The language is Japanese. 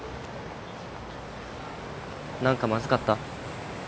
何かまずかった？